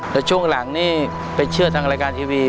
แต่ช่วงหลังนี่ไปเชื่อทางรายการทีวี